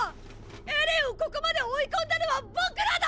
エレンをここまで追い込んだのは僕らだ！！